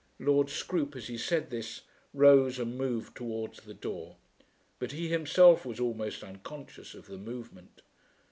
Lord Scroope as he said this rose and moved towards the door; but he himself was almost unconscious of the movement.